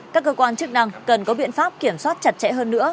các cơ quan chức năng cần có biện pháp kiểm soát chặt chẽ hơn nữa